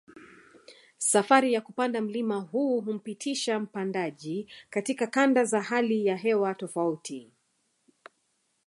Safari ya kupanda mlima huu humpitisha mpandaji katika kanda za hali ya hewa tofauti